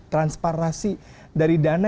transparansi dari dana